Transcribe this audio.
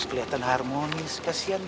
boleh besok aja tapi selalu sama